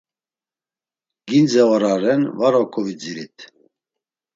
Gindze ora ren var oǩovidzirit.